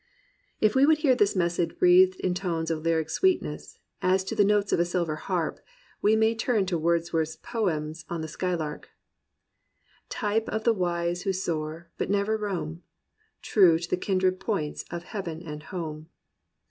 If we would hear this message breathed in tones of lyric sweetness, as to the notes of a silver harp, we may turn to Wordsworth's poems on the Skylark, — "Type of the wise who soar, but never roam; True to the kindred points of Heaven and Home."